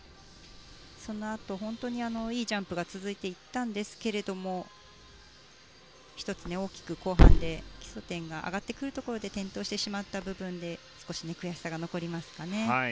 そのあと本当にいいジャンプが続いていったんですけれども１つ、大きく後半で基礎点が上がってくるところで転倒してしまった部分で少し悔しさが残りますかね。